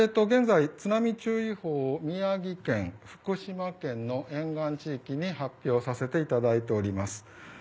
現在、津波注意報を宮城県、福島県の沿岸地域に発表させていただいております。